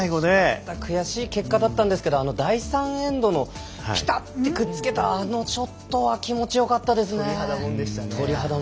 悔しい結果だったんですが第３エンドのピタっとくっつけたあのショットは鳥肌ものでしたね。